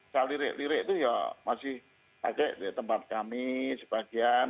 saya lirik lirik itu ya masih pakai di tempat kami sebagian